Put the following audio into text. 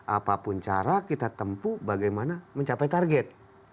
apapun cara kita tempuh bagaimana mencapai target